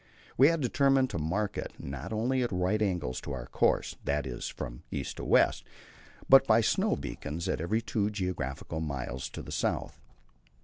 We had determined to mark it not only at right angles to our course that is, from east to west but by snow beacons at every two geographical miles to the south.